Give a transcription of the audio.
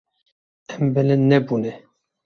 Em bilind nebûne.